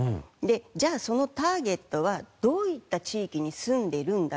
じゃあそのターゲットはどういった地域に住んでるんだろうか。